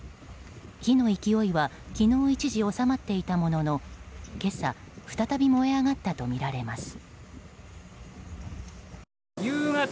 火の勢いは昨日、一時収まっていたものの今朝、再び燃え上がったとみられます。